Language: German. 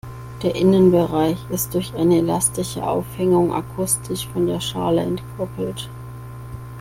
Der Innenbereich ist durch eine elastische Aufhängung akustisch von der Schale entkoppelt.